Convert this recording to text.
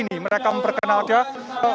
ini mereka memperkenalkan